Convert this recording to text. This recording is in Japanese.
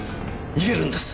逃げるんです！